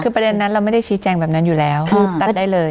คือประเด็นนั้นเราไม่ได้ชี้แจงแบบนั้นอยู่แล้วพูดตัดได้เลย